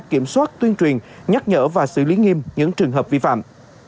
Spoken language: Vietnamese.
kiểm soát tuyên truyền nhắc nhở và xử lý nghiêm những trường hợp vi phạm